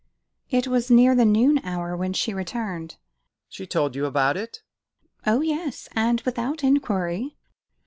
It was near the noon hour when she returned." "She told you about it?" "Oh yes, and without inquiry."